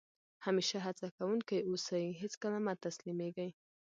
همېشه هڅه کوونکی اوسى؛ هېڅ کله مه تسلیمېږي!